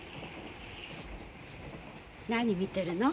何見てるの？